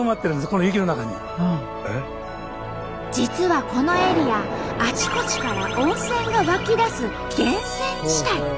実はこのエリアあちこちから温泉が湧き出す源泉地帯。